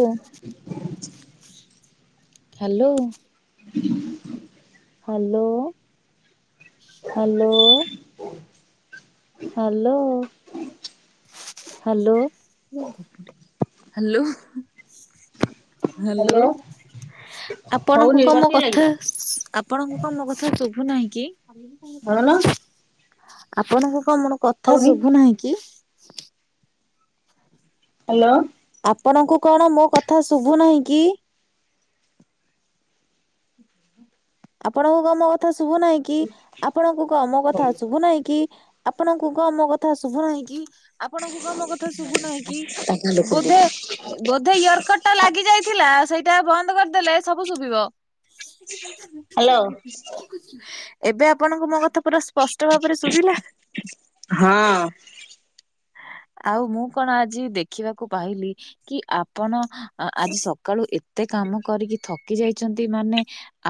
Hello. [inaudible] Hello, hello. Hello. Hello, hello. Hello, ଆପଣଙ୍କୁ ହଉନି କ ମୋ କଟି ଲାଗିବ କଥା ଆପଣଙ୍କୁ କ ମୋ କଥା ଶୁଭୁନାହିଁ କି? ହଉନ। ଆପଣଙ୍କୁ କ ମଣ କଥା ହଉନି ଶୁଭୁନାହିଁ କି? ହ୍ୟାଲୋ। ଆପଣଙ୍କୁ କଣ ମୋ କଥା ଶୁଭୁନାହିଁ କି? ଆପଣଙ୍କୁ କ ମୋ କଥା ଶୁଭୁ ନାହିଁ କି ଆପଣଙ୍କୁ କ ମୋ କଥା ଶୁଭୁ ନାହିଁ କି? ଆପଣଙ୍କୁ କ ମୋ କଥା ଶୁଭୁ ନାହିଁ କି? ଆପଣଙ୍କୁ କ ମୋ କଥା ଶୁଭୁ ନାହିଁ କି, ବୋଧେ ବୋଧେ ୟର କର୍ଡ ଲାଗି ଯାଇଥିଲା ସେଇଟା ବନ୍ଦ କରିଦେଲେ ଶବୁ ଶୁଭିବ। ହ୍ୟାଲୋ ଏବେ ଆପଣଙ୍କୁ ମୋ କଥା ପୁରା ସ୍ପଷ୍ଟ ଭାବରେ ଶୁଭିଲା? ଆଉ ମୁଁ କଣ ଆଜି ଦେଖିବାକୁ ପାଇଲି କି ଆପଣ ଆଜି ସକାଳୁ ଏ ଏତେ କାମ କରିକି ଥକି ଯାଇଛନ୍ତି ମାନେ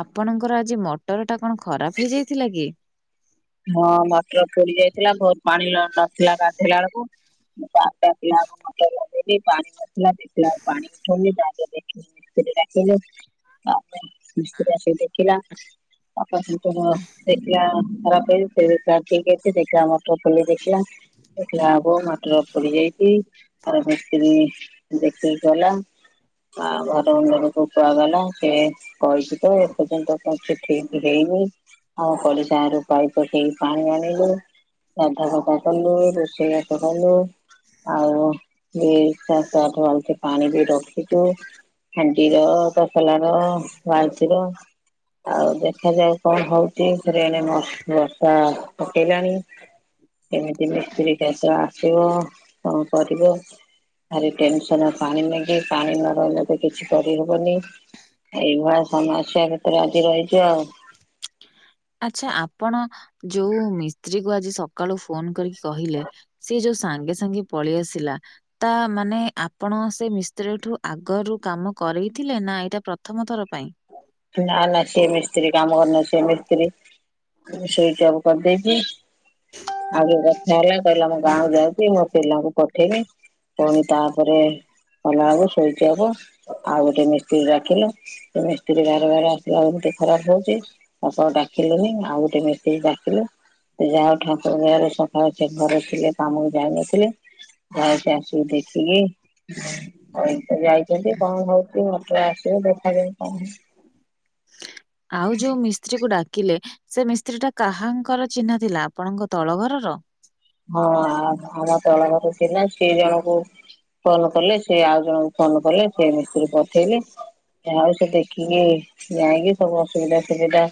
ଆ ଆପଣଙ୍କର ଆଜି ମଟରଟା କଣ ଖରାପ ହେଇଯାଇଥିଲା କି? ହଁ ମଟର ପୋଡି ଯାଇଥିଲା ବହୁତ ପାଣି ନଥିଲା ଗାଧେଇଲା ବେଳକୁ। ଦେଖିଲା ବେଳକୁ ମଟର ଲଗେଇଲି ପାଣି ନଥିଲା ଦେଖିଲା ପାଣି ସରିଥିଲା। ମିସ୍ତ୍ରୀ ଡାକିଲୁ, ମିସ୍ତ୍ରୀ ଆସିକି ଦେଖିଲା। [unintelligible] ଠିକ୍ ଅଛି ଦେଖିଲା ମଟର ଖୋଲିକି ଦେଖିଲା ଦେଖିଲା ବେଳକୁ ମୋଟର ପୋଡି ଯାଇଛି ଆଉ ମିସ୍ତ୍ରୀ ଦେଖିକି ଗଲା। ଆ ଘର ଓନରକୁ କୁଆଗଲା ସେ କହିଛି ତ ଏପର୍ଯ୍ୟନ୍ତ କିଛି ଠିକ ହେଇନି ଆଉ ପଡ଼ିଶା ଘରୁ ପାଇପ ପକେଇକି ପାଣି ଆଣିଲୁ, ଗନ୍ଥା ସଫା କଲୁ ରୋଷେଇ ବାସ କଲୁ। ଆଉ ଇଏ ସାତ ଆଠ ବାଲଟି ପାଣି ବି ରଖିଛୁ। ହାଣ୍ଡି ର, ତସଲା ର, ବାଲଟି ର। ଆଉ ଦେଖାଯାଉ କଣ ହଉଛି ଫେରି ଏଇନା ବର୍ଷା ଫକେଇଲାଣି। କେମିତି ମିସ୍ତ୍ରୀ କେଷ ଆସିବ କଣ କରିବ? ଭାରି ଟେନସନ ପାଣି ନାଗି ପାଣି ନ ରହିଲେ ଏତ କିଛି କରିହବନି ଏଇଭଳିଆ ସମସ୍ୟା ଭିତରେ ଆଜି ରହିଛି ଆଉ। ଆଚ୍ଛା ଆପଣ ଯୋଉ ମିସ୍ତ୍ରୀ କୁ ଆଜି ସକାଳୁ ଫୋନ କରି କହିଲେ ସିଏ ଯୋ ସାଙ୍ଗେ ସାଙ୍ଗେ ପଳି ଆସିଲା। ତା ମାନେ ଆପଣ ସେ ମିସ୍ତ୍ରୀ ଠୁ ଆଗରୁ କାମ କରେଇଥିଲେ ନା ଏଇଟା ପ୍ରଥମ ଥର ପାଇଁ? ନା ନା ସିଏ ମିସ୍ତ୍ରୀ କାମ କରିନଥିଲେ ସିଏ ମିସ୍ତ୍ରୀ ସୁଇଚ ଅଫ କରିଦେଇ ଯେ ଆଉରି ରଥ ହେଲା କହିଲା ମୁଁ ଗାଁ ଯାଉଚି ମୋ ପିଲାଙ୍କୁ ପଠେଇମି। ପୁଣି ତାପରେ ଭଲ ହବ ଶୋଇପଡ଼ ଆଉ ଗୋଟେ ମିସ୍ତ୍ରୀ ଡାକିଲେ, [inaudible] ସିଏ ଯେ ବାର ବାର ଆସିଲା ବେଳକୁ ମୋତେ ଖରାପ ଲାଗୁଚି, ତାକୁ ଆଉ ଡାକିଲେନି ଆଉ ଗୋଟେ ମିସ୍ତ୍ରୀ ଡାକିଲେ। ସେ ଯା ହଉ ଠାକୁରଙ୍କ ଦୟାରୁ ସକାଳ ସେ ଘରେ ଥିଲେ କାମକୁ ଯାଇନଥିଲେ। ଥାଅ ସେ ଆସୁ ଦେଖିକି ସେ ଯାଇଚନ୍ତି କଣ ହଉଚୁ [unintelligible] ଆସୁ ଦେଖାକରି କଣ ହଉ ଆଉ ଯୋଉ ମିସ୍ ସ୍ତ୍ରୀ କୁ ଡାକିଲେ ସେ ମିସ୍ତ୍ରୀ ଟା କାହାଙ୍କର ଚିହ୍ନା ଥିଲା ଆପଣଙ୍କ ତଳ ଘରର? ହଁ ଆମର ତଳ ଘର ଥିଲା ସେ ଜଣଙ୍କୁ କଲ୍ କଲେ ସେ ଆଉ ଜଣଙ୍କୁ ଫୋନ୍ କଲେ ସେ ମିସ୍ତ୍ରୀ ପଠେଇଲେ। ଯାହା ହଉ ଦେଖିକି ଯାଇକି ସବୁ ଅସୁବିଧା ସୁବିଧା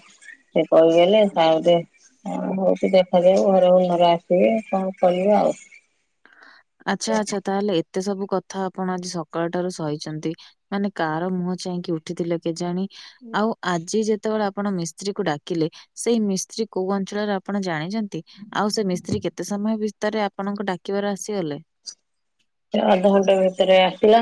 ସେ କହିଦେଲେ, ଆଉ ଯେ ଆଉରି ଅସୁବିଧା ଥବ ଘର ଅନର ଆସ ସିଏ କଣ କହିବେ ଆଉ। ଆଚ୍ଛା, ଆଚ୍ଛା ତାହେଲେ ଏତେ ସବୁ କଥା ଆପଣ ଆଜି ସକାଳ ଠାରୁ ସହିଛନ୍ତି। ମାନେ କାର ମୁହଁ ଚାହିଁକି ଉଠିଥିଲେ କେଜାଣି। ଆଉ ଆଜି ଯେତେବେଳେ ଆପଣ ମିସ୍ତ୍ରୀକୁ ଡାକିଲେ ସେଇ ମିସ୍ତ୍ରୀ କୋଉ ଅଞ୍ଚଳରେ ଆପଣ ଜାଣିଚନ୍ତି? ଆଉ ସେ ମିସ୍ତ୍ରୀ କେତେ ସମୟ ଭିତରେ ଆପଣଙ୍କ ଡା କିବାର ଆସିଗଲେ? ସେ ଅଧଘଣ୍ଟେ ଭିତରେ ଆସିଲା।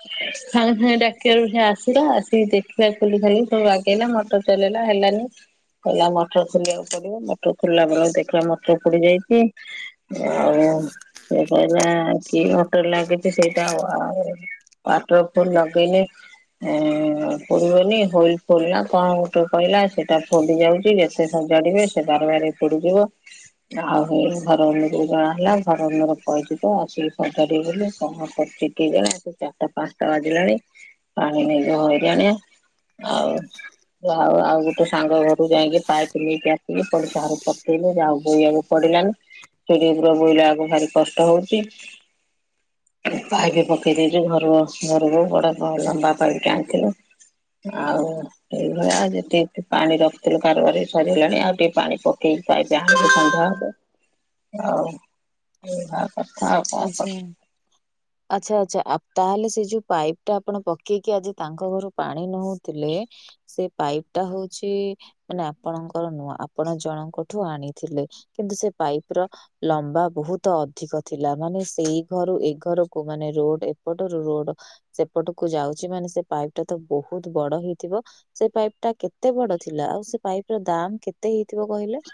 ସାଙ୍ଗେ ସାାଙ୍ଗେ ଡାକିବାରୁ ସିଏ ଆସିଲା ଆସିକି ଦେଖିଲା, ଖୁଲିଖାଲି ସେଇ ବାଗେଇଲା ମଟର ଚଲେଇଲା ହେଲାନି। କଇଲା ମଟର ଖୋଲିବାକୁ ପଡିବ, ମଟର ଖୋଲିଲା ଆମର ଦେଖିଲା ମଟର ପୋଡି ଯାଇଛି। ଆଉ ସେ କହିଲା କି ମଟର ଲାଗିଚି ସେଇଟା ଓ ଆଉ [unintelligible] [unintelligible] ତ ଲଗେଇନି। ଏ ପୁଡ଼ିବନି ହୁଇଲ ଖୋଲିଲା କଣ ଗୋଟେ କହିଲା ସେଟା ଖୋଲି ଯାଉଚି, [inaudible] ସେ ସଜାଡିବେ ସେ ବାରବାରେ ପୋଡିଯିବ। ଆଉ ହେଇ ଘର ଓନରକୁ ଜଣା ହେଲା ଘର ଓନର କହିଚି ତ ଆସିକି ସଜାଡିବି ବୋଲି, କଣ କରୁଚି କେଇଜାଣେ ସେ ଚାରଟା ପାନ୍ସଟା ବାଜିଲାଣି ପାଣି ନାଇକି ହଇରାଣେ, ଆଉ ଆଉ ଆଉ ଗୋଟେ ସାଙ୍ଗ ଘରୁକୁ ଯାଇକି ପାଇପ୍ ନେଇକି ଆସିଲେ, ପଡ଼ିଶା ଘରୁ ପକେଇଲେ [unintelligible] ପଡିଲାନି ସିଡ଼ି ଉପରେ ବୋହିଲାବେଳକୁ ଭାରି କଷ୍ଟ ହଉଚି। ପାଇପ୍ ପକେଇ ଦେଇଚେ ଘରୁ ଆସିବାରୁ ଯୋ ବଡ ଲମ୍ବା ପାଇପ୍ ଟେ ଆଣିଥିଲୁ। ଆଉ ଏଇ ଭଳିଆ ଯେତିକି ପାଣି ରଖିଥିଲୁ କାରବାରେ ସରିଗଲାଣି, ଆଉ ଟିକେ ପାଣି ପକେଇ ସେ ଯାହାବି ହଉ ସନ୍ଧ୍ୟା ହବ ଆଉ [inaudible] ଏ ଥାଉ ଆଚ୍ଛା। ଆଚ୍ଛା, ଆଚ୍ଛା ଆ, ତାହେଲେ ସେ ଯୋଉ ପାଇପ୍ ଟା ଆପଣ ପକେଇକି ଆଜି ତାଙ୍କ ଘରୁ ପାଣି ନଉଥିଲେ। ସେ ପାଇପ୍ ଟା ହଉଛି ମାନେ ଆପଣଙ୍କର ନୁହ ଆପଣ ଜଣଙ୍କଠୁ ଆଣିଥିଲେ, କିନ୍ତୁ ସେ ପାଇପ୍ ର ଲମ୍ବା ବହୁତ ଅଧିକ। ଥିଲା ମାନେ ସେଇ ଘରୁ ଏ ଘରକୁ ମାନେ ରୋଡ଼୍ ଏପଟରୁ ରୋଡ଼୍ ସେପଟକୁ ଯାଉଛି ମାନେ ସେ ପାଇପ୍ ଟା ତ ବହୁତ ବଡ଼ ହେଇଥିବ? ସେ ପାଇପ୍ ଟା କେତେ ବଡ ଥିଲା ଆଉ ସେ ପାଇପ୍ ର ଦାମ୍ କେତେ ହେଇଥିବ କହିଲେ?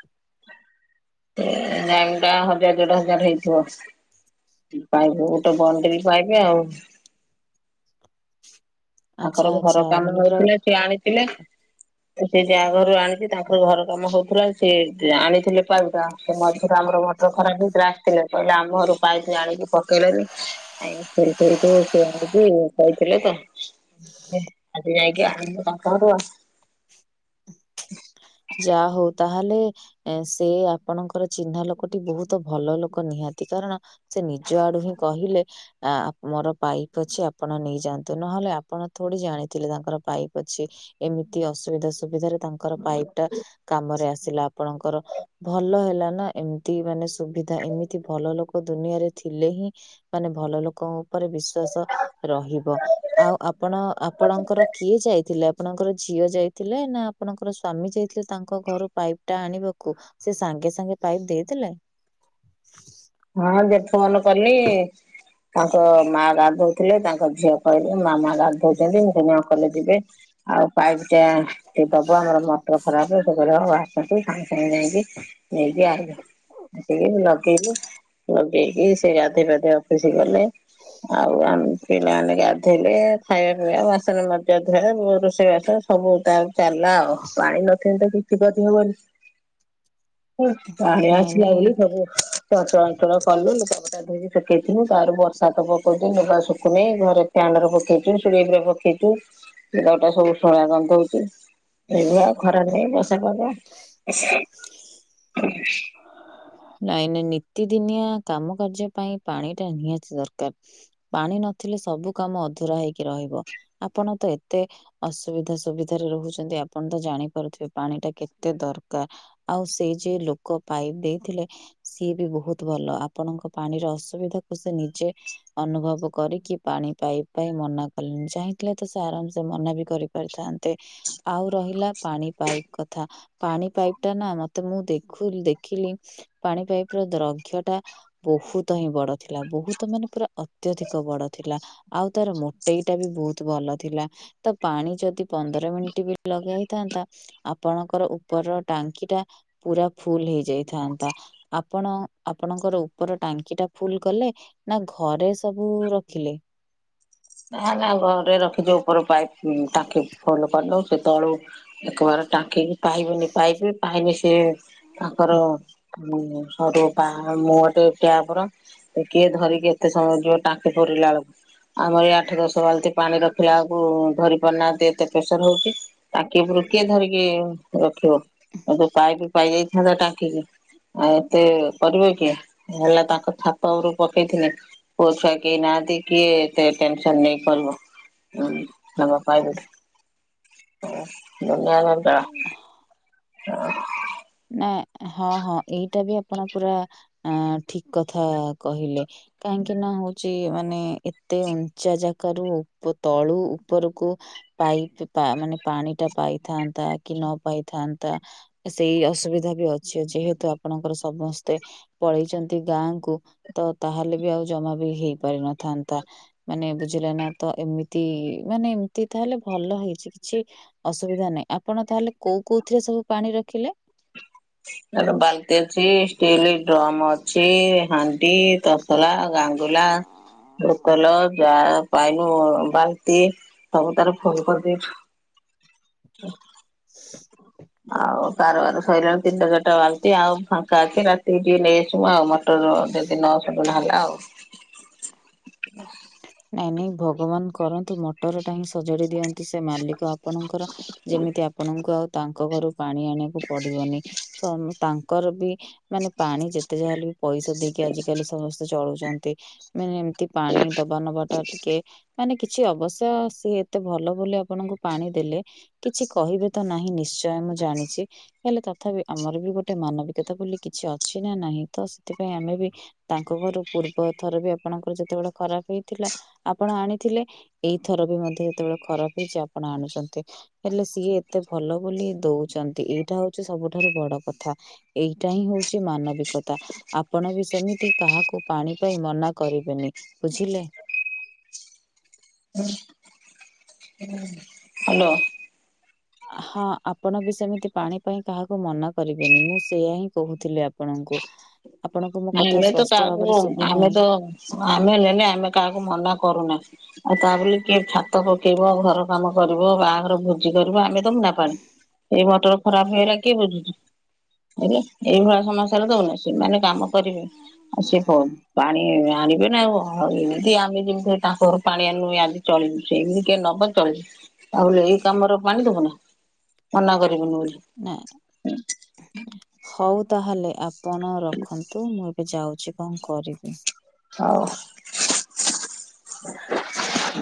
ଏ ପାଇପ୍ ଟା ହଜାର ଦେଢ଼ ହଜାର ହେଇଥିବ। ପାଇପ୍ କୁ ଗୋଟେ ବଡିରି ପାଇବେ ଆଉ। ଆଚ୍ଛା ତାଙ୍କର ଘର ଆଚ୍ଛା କାମ ମାନେ ହଉଥିଲା ସିଏ ଆଣିଥିଲେ ସିଏ ଯାହା ଘରୁ ଆଣି ସେତାଙ୍କର ଘର କାମ ହଉଥିଲା ସିଏ ଆଣିଥିଲେ ପାଇପିଟା ସେମଝିରେ ଆମର ପୁରା ମଟର ଖରାପ୍ ହେଇଥାଲା ଅସିଥିଲେ। କହିଲେ ଆମ ଘରୁ ପାଇପି ଆଣିକି ପକେଇଲେନି ଆଜ୍ଞା ସେଇ ସେଇ [unintelligible] କହିଥିଲତ। ଆଜି ଯାଇକି ଆଣିଲୁ ତାଙ୍କ ଘଟୁ ଆଉ। ଯାହା ହଉ ତାହେଲେ ଏ ସେ ଆପଣଙ୍କର ଚିହ୍ନା ଲୋକଟି ବହୁତ୍ ଭଲ ଲୋକ ନିହାତି କାରଣ ସେ ନିଜ ଆଡ଼ୁହିଁ କହିଲେ ଆ ମୋର ପାଇପି ଅଛି ଆପଣ ନେଇଯାଆନ୍ତୁ ନହେଲେ ଆପଣ ଥୋଡ଼ି ଜାଣିଥିଲେ ତାଙ୍କର ପାଇପି ଅଛି ଏମିତି ଅସୁବିଧା ସୁବିଧାରେ ତାଙ୍କର ପାଇପ୍ ଟା କାମରେ ଆସିଲା ଆପଣଙ୍କର। ଭଲ ହେଲାନା ଏମିତି ମାନେ ସୁବିଧା ଏମିତି ଭଲ ଲୋକ ଦୁନିଆରେ ଥିଲେହିଁ ମାନେ ଭଲ ଲୋକଙ୍କ ଉପରେ ବିଶ୍ଵାସ ରହିବ ଆଉ ଆପଣ ଆପଣଙ୍କର କିଏ ଯାଇଥିଲେ ଆପଣଙ୍କର ଝିଅ ଯାଇଥିଲେ ନା ଆପଣଙ୍କର ସ୍ଵାମୀ ଯାଇ ସେ ତାଙ୍କ ଘରୁ ପାଇପିଟା ଆଣିବାକୁ ସେସାଙ୍ଗେ ସାଙ୍ଗେ ପାଇପି ଦେଇଦେଲେ? ହଁ [unintelligible] କଲି ତାଙ୍କ ମା ଗାଧଉଥିଲେ ତାଙ୍କ ଝିଅ କହିଲେ ମାମା ଗାଧଉଛନ୍ତି ମୁକଇନି ଅ କଲେ ଯିବେ ଆଉ ପାଇପିଟା କିଏ ଦବ ଆମର ମଟର ଖରାପ୍ ସେକଇଲେ ହଉଆସ ହେଠୁ ସାଙ୍ଗେ ସାଙ୍ଗେ ଯାଇକି ନେଇକି ଆଇଲା ଆସିକି ମୁ ଲଗେଇଲି ଲଗେଇକି ସେଗାଧେଇ ପାଧେଇ ଅଫିସ୍ ଗଲେ। ଆଉ ଆମେ ପିଲାମାନେ ଗାଧୋଇଲେ ଖାଇବା ପିଇବା ବାସନ ମଜା ଧୁଆ ରୋଷେଇବାସ ସବୁତାର ଚାଲିଲା ଆଉ ପାଣି ନଥିଲେତ କିଛି କରି ହବନି। ପାଣି ନାଇଁ ଆସିଲା ନାଇଁ ବୋଲି ସବୁ ଚଞ୍ଚ ଞ୍ଚଳ କଲୁ ଲୁଗାପଟା ଶୁଖେଇଥିଲୁ ତାର ବର୍ଷାତ ପକଉଛି ଲୁଗା ଶୁଖୁନି ଘରେ ଫ୍ୟାନରେ ପକେଇଛୁ ଶେଡ଼ି ଘରେ ପକେଇଛୁ ଲୁଗାପଟା ସବୁ ଉସୁମୁଳିଆ କନ୍ଧଉଚି। ଏଇ ଭଳିଆ ଖରା ନାହିଁ ବର୍ଷା ପାଗ। ନାଇଁ ନାଇଁ ନିତିଦିନିଆ କାମ କାର୍ଯ୍ୟ ପାଇଁ ପାଣିଟା ନିହାତି ଦରକାର। ପାଣି ନଥିଲେ ସବୁ କାମ ଅଧୁରା ହେଇକି ରହିବ ଆପଣତ ଏତେ ଅସୁବିଧା ସୁବିଧାରେ ରହୁଛନ୍ତି ଆପଣତ ଜାଣିପାରୁଥିବେ ପାଣିଟା କେତେ ଦରକାର। ଆଉ ସେଇ ଯଉଲୋକ ପାଇପ୍ ଦେଇଥିଲେ ସିଏବି ବହୁତ୍ ଭଲ ଆପଣଙ୍କ ପାଣିର ଅସୁବିଧାକୁ ସେନିଜେ ଅନୁଭବ କରିକି ପାଣି ପାଇପ୍ ପାଇଁ ମନା କଲେଣିି ଚାହିଁଥିଲେତ ସେ ଆରାମସ ମନାବି କରି କରିଥାନ୍ତେ ଆଉ ରହିଲା ପାଣି ପାଇପ୍ କଥା ପାଣି ପାଇପ୍ ଟା ମତେ ମୁଁ ଦେଖୁ ଦେଖିଲି ପାଣି ପାଇପ୍ ର ଦ୍ରକ୍ଷଟା ବହୁତହିଁ ବଡ଼ ଥିଲା ବହୁତ୍ ମାନେ ପୁରା ଅତ୍ୟଧିକ ବଡ଼ ଥିଲା। ଆଉ ତାର ମୋଟେଇଟାବି ବହୁତ୍ ଭଲ ଥିଲା। ତ ପାଣି ଯଦି ପନ୍ଦର ମିନିଟ୍ ବି ଲଗେଇ ହେଇଥାନ୍ତା ଆପଣଙ୍କର ଉପରର ଟାଙ୍କିଟା ପୁରା ଫୁଲ୍ ହେଇଯାଇଥାନ୍ତା। ଆପଣ ଆପଣଙ୍କର ଉପର ଟାଙ୍କିଟା ଫୁଲ୍ କଲେ? ନା ଘରେ ସବୁ ରଖିଲେ? ନା ନା ଘରେ ରଖିଚୁ ଉପର ପାଇପ୍ ଟାଙ୍କି ଫୁଲ୍ କରିନୁ ସେତଳୁ ଏକ ବାର ଟାଙ୍କିକି ପାଇବନି ପାଇପ୍ ପାଇନେ ସିଏ ତାଙ୍କର ଉଁ ସରୁ ପା ମୁଁହଟେ ଟ୍ୟାପର୍। କିଏ ଧରିକି ଏତେ ସମୟ ଯିବ ଟାଙ୍କି ପୁରିଲା ବେଳକୁ ଆମର ଏ ଆଠ ଦଶ ବାଲ୍ଟି ପାଣି ରଖିଲା ଆକୁ ଧରି ପାରୁନାହାନ୍ତି ଏତେ ପ୍ରେସର ହେଉଛି। ଟାଙ୍କି ଉପରୁ କିଏ ଧରିକି ରଖିବ ଆଉ ଯୋଉ ପାଇପ୍ ପାଇଯାଇଥାନ୍ତା ଟାଙ୍କିକି ଆଉ ଏତେ କରିବେ କିଏ? ହେଲା ତାଙ୍କ ଛାତଉପରୁ ପକେଇଥିଲେ ପୁଅ ଛୁଆ କେହି ନାହାନ୍ତି କିଏ କିଏ ଟେ୍ସନ ନେଇ କରିବ ତା ଵାପା ଆଇଲା ଆ ନୁନା ବାପା ଆ। ନା -ହଁ -ହଁ ଏଇଟା ବି ଆପଣ ପୁରା ଅ ଠିକ୍ କଥା କହିଲେ କାହିଁକି ନା ହଉଚି ମାନେ ଏ ଏତେ ଉଞ୍ଚା ଜାଗାରୁ ଉପୁ ତଳୁ ଉପରକୁ ପାଇପ୍ ପା-ମାନେ ପାଣି ଟା ପାଇଥାନ୍ତା କି ନ ପାଇଥାନ୍ତା ସେଇ ଅସୁବିଧା ବି ଅଛି ଅଛି ଯେହେତୁ ଆପଣଙ୍କର ସମସ୍ତେ ପଳେଇଚନ୍ତି ଗାଁ କୁ ତ ତାହେଲେ ବି ଆଉ ଜମା ବି ହେଇ ପାରିନଥାନ୍ତା। ମାନେ ବୁଝିଲା ନା ତ ଏମିତି ମାନେ ଏମିତି ତାହେଲେ ଭଲ ହେଇଚି କିଛି ଅସୁବିଧା ନାହିଁ ଆପଣ ତାହେଲେ କଉ କଉଥିରେ ସବୁ ପାଣି ରଖିଲେ? ତାର ବାଲ୍ଟି ଅଛି ଷ୍ଟିଲ ଡ୍ରମ୍ ଅଛି ହାଣ୍ଡି ତା ତସଲା, ଗାଙ୍ଗୁଲା, ବୁତଲ, ଜା ପାଇନୁ ବାଲ୍ଟି ସବୁ ତାର ଫୁଲ୍ କରିଦେଇଚୁ। ଆଉ କାରବାର ସଇଲାଣି ତିନିଟା ଚାରିଟା ବାଲ୍ଟି ଆଉ ଫାଙ୍କା ଅଛି ରାତିକି ଟିକେ ନେଇ ଆସିବୁ ଆଉ ମ ମଟର ସେଦିନ ଯଦି ନହେଲା ଆଉ। ନାଇଁ ନାଇଁ ଭଗବାନ କରନ୍ତୁ ମଟର ଟା ହିଁ ସଜାଡ଼ି ଦିଅନ୍ତ୍ ସେ ମାଲିକ ଆପଣଙ୍କର ଯେମିତି ଆପଣଙ୍କୁ ଆଉ ତାଙ୍କ ଘରୁ ପାଣି ଆଣିବାକୁ ପଡିବନି। ସ-ତାଙ୍କର ବି ମାନେ ପାଣି ଯେତେ ଯାହା ହେଲେ ବି ପଇସା ଦେଇକି ଆଜିକାଲି ସମସ୍ତେ ଚଳୁଚନ୍ତି ମାନେ ଏମତି ପାଣି ଦବା ନବା ଟା ଟିକେ ମାନେ କିଛି ଅବଶ୍ୟ ସିଏ ଏତେ ଭଲ ବୋଲି ଆପଣଙ୍କୁ ପାଣି ଦେଲେ କିଛି କହିବେ ତ ନାହିଁ ନିଶ୍ଚୟ ମୁଁ ଜାଣିଚି ହେଲେ ତଥାପି ଆମର ବି ଗୋଟେ ମାନବିକତା ବୋଲି କିଛି ଅଛି ନା ନାହିଁ ତ ସେଥିପାଇଁ ଆମେ ବି ତାଙ୍କ ଘର ପୂର୍ବ ଥର ବି ଆପଣଙ୍କର ଯେତେବେଳେ ଖରାପ ହେଇ ଥିଲା ଆପଣ ଆଣିଥିଲେ ଏଇଥର ବି ମଧ୍ୟ ଯେତେବେଳେ ଖରାପ ହେଇଚି ଆପଣ ଆଣୁଚନ୍ତି। ହେଲେ ସିଏ ଏତେ ଭଲ ବୋଲି ଦଉଚନ୍ତି ଏଇଟା ହଉଚି ସବୁଠାରୁ ବଡ କଥା। ଏଇଟା ହିଁ ହଉଚି ମାନବିକତା। ଆପଣ ବି ସେମିତି କାହାକୁ ପାଣି ପାଇଁ ମନା କରିବେନି ବୁଝିଲେ। ହାଲୋ। ହଁ ଆପଣ ବି ସେମିତି ପାଣି ପାଇଁ କାହାକୁ ମନା କରିବେନି ମୁଁ ସେଇୟା ହିଁ କହୁଥିଲି ଆ ଆପଣଙ୍କୁ ଆପଣଙ୍କୁ ମୋ କଥା ଆମେ ତ ସ୍ପଷ୍ଟ କାହାକୁ ଭାବରେ ଶୁଭୁ ଆମେ ନାହିଁ। ତ ଆମେ ନେଲେ ଆମେ କାହାକୁ ମନା କରୁନା। ଆଉ ତା ବୋଲି କିଏ ଛାତ ପକେଇବ ଘର କାମ କରିବ ବାହାଘର ଭୋଜି କରିବ ଆମେ ଦବୁ ନା ପାଣି ଏଇ ମଟର ଖରାପ୍ ହେଇଗଲା କିଏ ବୁଝୁଚି ହେଲେ ଏଇଭଳିଆ ସମସ୍ୟାରେ ଦଉନି ସେମାନେ କାମ କରିବେ ଆଉ ସିଏ ପ-ପାଣି ଆଣିବେ ନା ଆଉ। ଆଉ ଏମିତି ଆମେ ଯେମିତି ତାଙ୍କ ଘରୁ ପାଣି ଆଣିନୁ ଆଜି ଚଳୁଲୁ ସେ ଏମିତି କିଏ ନବ ଚଳି ତା ବୋଲି ଏଇ କାମର ପାଣି ଦବୁ ନା ମନା କରିବୁନି ବୋଲି। ନାଇଁ। ହଉ ତାହାଲେ ଆପଣ ରଖନ୍ତୁ ମୁଁ ଏବେ ଯାଉଚି କଣ୍ କରିବି। ହଉ।